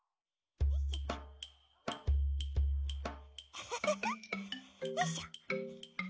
フフフフよいしょ。